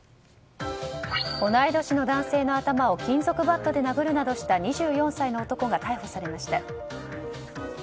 同い年の男性の頭を金属バットで殴るなどした２４歳の男性が逮捕されました。